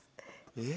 え？